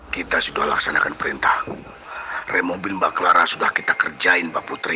kita sudah laksanakan perintah remobin mbak clara sudah kita kerjain mbak putri